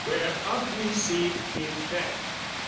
whereof we see effect.